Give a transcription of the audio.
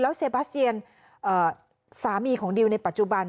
เซบาเซียนสามีของดิวในปัจจุบัน